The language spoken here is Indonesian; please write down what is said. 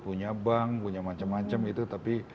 punya bank punya macam macam itu tapi